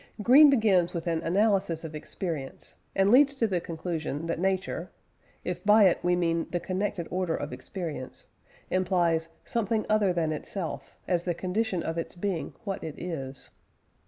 Green begins with an analysis of experience, and leads to the conclusion that Nature if by it we mean "the connected order of experience" implies "something other than itself, as the condition of its being what it is."